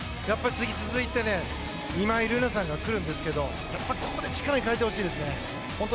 続いて今井月さんが来るんですけどやっぱりここで力に変えてほしいですね。